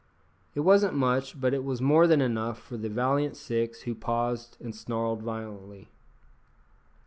It wasn't much, but it was more than enough for the valiant six, who paused and snarled violently.